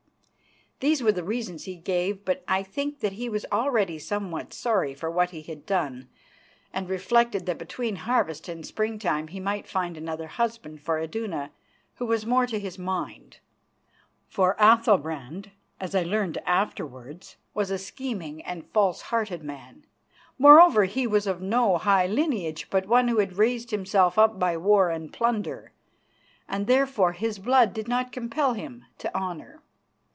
These were the reasons he gave, but I think that he was already somewhat sorry for what he had done, and reflected that between harvest and springtime he might find another husband for Iduna, who was more to his mind. For Athalbrand, as I learned afterwards, was a scheming and a false hearted man. Moreover, he was of no high lineage, but one who had raised himself up by war and plunder, and therefore his blood did not compel him to honour.